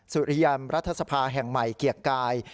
สุริยันรัฐสภาแห่งใหม่เกียรติกาย